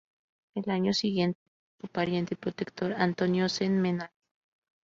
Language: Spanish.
Al año siguiente lo hará su pariente y protector Antonio Sentmenat.